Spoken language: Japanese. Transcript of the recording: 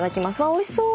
おいしそう。